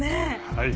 はい。